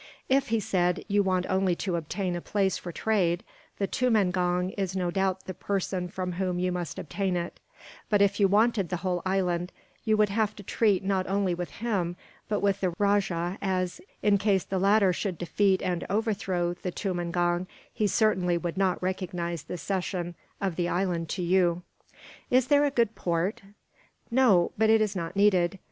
"If," he said, "you want only to obtain a place for trade, the tumangong is no doubt the person from whom you must obtain it; but if you wanted the whole island, you would have to treat not only with him but with the rajah as, in case the latter should defeat and overthrow the tumangong, he certainly would not recognize the cession of the island to you." "Is there a good port?" "No; but it is not needed.